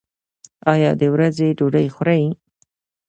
ایا د ورځې ډوډۍ خورئ؟